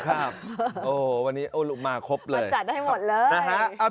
ครับโอ้ววันนี้มาครบเลยมาจัดให้หมดเลย